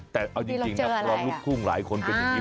แต่เอาจริงนะเพราะลูกคู่หลายคนเป็นอย่างนี้